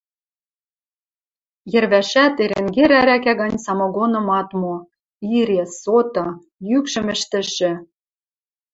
Йӹрвӓшӓт Эренгер ӓрӓкӓ гань самогоным ат мо: ире, соты, йӱкшӹм ӹштӹшӹ.